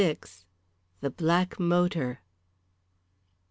THE BLACK MOTOR.